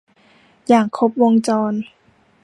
อย่างครบวงจร